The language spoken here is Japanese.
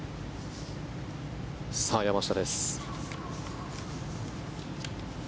さあ、山下です。